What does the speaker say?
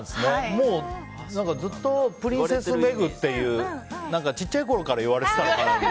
もうずっとプリンセス・メグっていう小さいころから言われてたのかなって。